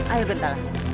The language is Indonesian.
ayo bentar lah